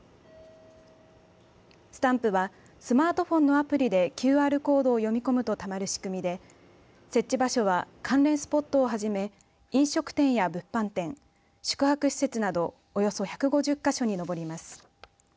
スタンプは、スマートフォンのアプリでＱＲコードを読み込むとたまる仕組みで設置場所は関連スポットをはじめ飲食店や物販店宿泊施設などおよそ１５０か所に上ります。